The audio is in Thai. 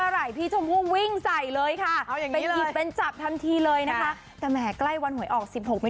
ลูกมาจะให้โชค